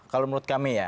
kalau menurut kami ya